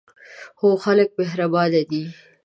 هو، خلک مهربانه دي